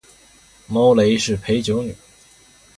猫雷是陪酒女